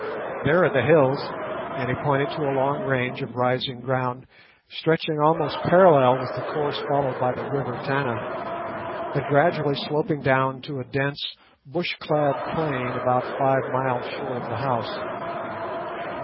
There are the hills;" and he pointed to a long range of rising ground stretching almost parallel with the course followed by the river Tana, but gradually sloping down to a dense bush clad plain about five miles short of the house.